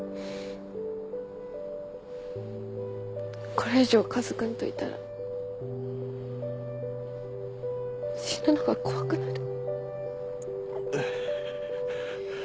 これ以上カズくんといたら死ぬのが怖くなる。